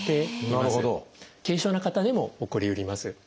軽症な方でも起こりえます。